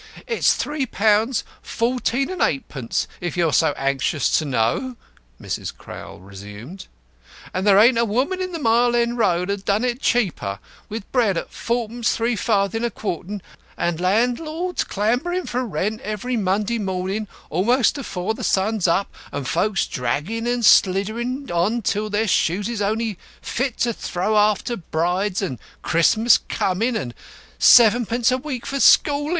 "It's three pounds fourteen and eightpence, if you're so anxious to know," Mrs. Crowl resumed. "And there ain't a woman in the Mile End Road as 'ud a done it cheaper, with bread at fourpence threefarden a quartern and landlords clamburin' for rent every Monday morning almost afore the sun's up and folks draggin' and slidderin' on till their shoes is only fit to throw after brides and Christmas comin' and sevenpence a week for schoolin'!"